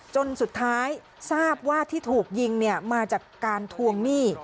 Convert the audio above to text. จนสุดท้ายทราบว่าที่ถูกยิงเนี่ยมาจากการทวงหนี้